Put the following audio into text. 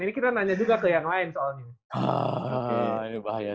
ini kita nanya juga ke yang lain soalnya